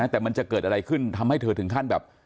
แต่มันจะเกิดอะไรขึ้นทำให้เธอถึงขั้นแบบ